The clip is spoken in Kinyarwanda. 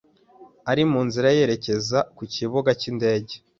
ari mu nzira yerekeza ku kibuga cy'indege.